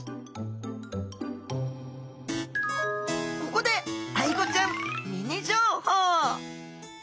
ここでアイゴちゃんミニ情報。